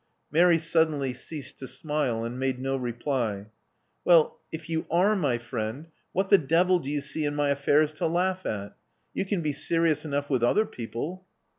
Mary suddenly ceased to smile, and made no reply. "Well, if you are my friend, what the devil do you see in my affairs to laugh at? You can be serious enough with other people."